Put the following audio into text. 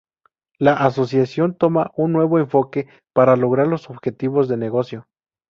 La asociación toma un nuevo enfoque para lograr los objetivos de negocio.